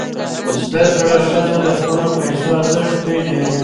زده کړه ښځه د خپلو پیسو ارزښت پېژني.